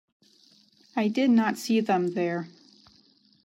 I did not see them there.